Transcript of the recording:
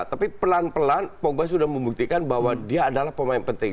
tapi pelan pelan pogba sudah membuktikan bahwa dia adalah pemain penting